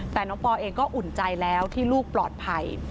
แต่น้องปอเองก็อุ่นใจแล้วที่ลูกปลอดภัย